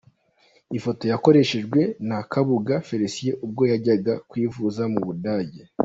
Ifoto yakoreshejwe na Kabuga Felicien ubwo yajyaga kwivuza mu Budage